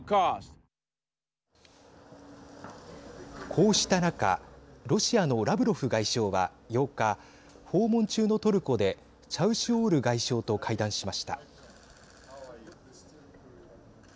こうした中ロシアのラブロフ外相は８日、訪問中のトルコでチャウシュオール外相と会談しました。